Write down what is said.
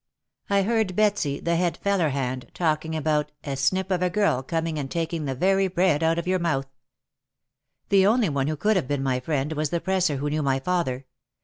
I heard Betsy, the head feller hand, talking about "a snip of a girl coming and taking the very bread out of your mouth/' The only one who could have been my friend was the presser who knew my father.